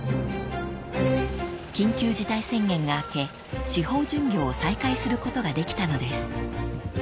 ［緊急事態宣言が明け地方巡業を再開することができたのです］